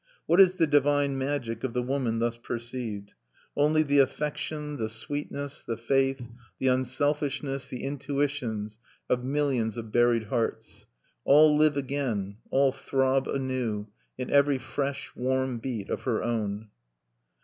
What is the divine magic of the woman thus perceived? Only the affection, the sweetness, the faith, the unselfishness, the intuitions of millions of buried hearts. All live again; all throb anew, in every fresh warm beat of her own.